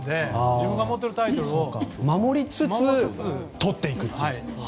自分が持ってるタイトルを守りつつとっていくという。